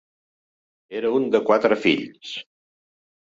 Era un de quatre fills.